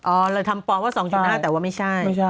ออกเลยทำพอว่า๒๕แต่ว่าไม่ใช่